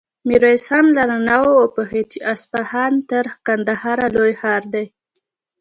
ميرويس خان له رڼاوو وپوهېد چې اصفهان تر کندهاره لوی ښار دی.